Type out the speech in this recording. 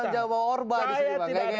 jangan jangan mau orba disini pak